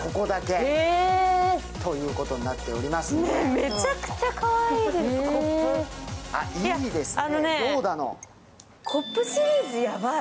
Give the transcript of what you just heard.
めちゃくちゃかわいいですコップ。